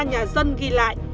nhà dân ghi lại